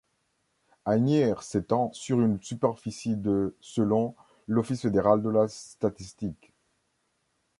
Anières s'étend sur une superficie de selon l'Office fédéral de la statistique.